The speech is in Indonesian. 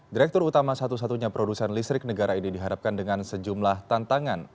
direktur utama satu satunya produsen listrik negara ini diharapkan dengan sejumlah tantangan